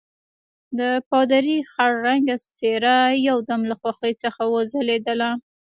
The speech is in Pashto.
د پادري خړ رنګه څېره یو دم له خوښۍ څخه وځلېدله.